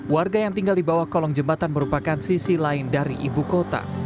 warga yang tinggal di bawah kolong jembatan merupakan sisi lain dari ibu kota